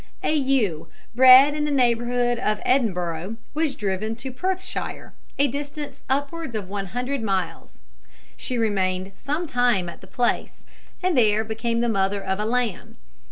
A ewe, bred in the neighbourhood of Edinburgh, was driven into Perthshire, a distance of upwards of one hundred miles. She remained some time at the place, and there became the mother of a lamb.